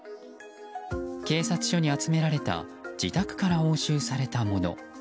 警察署に集められた自宅から押収されたもの。